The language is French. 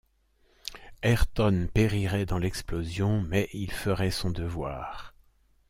Ayrton périrait dans l’explosion, mais il ferait son devoir.